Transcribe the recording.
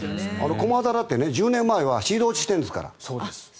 駒澤だって１０年前はシード落ちしてるんですから。